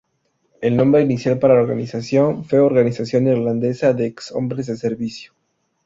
El nombre inicial para la organización fue "Organización Irlandesa de Ex Hombres de Servicio".